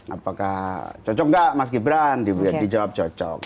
apakah cocok nggak mas gibran dijawab cocok